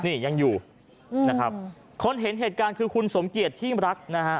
นี่ยังอยู่นะครับคนเห็นเหตุการณ์คือคุณสมเกียจที่รักนะฮะ